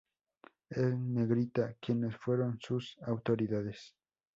En negrita, quienes fueron sus autoridades.